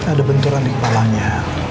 ada benturan di kepalanya